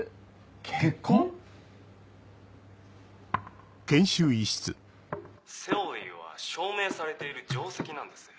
結婚⁉セオリーは証明されている定石なんです。